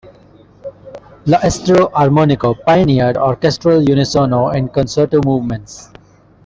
"L'estro armonico" pioneered orchestral unisono in concerto movements.